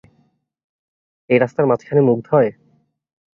ওই রাস্তার মাঝখানে মুখ ধোয়?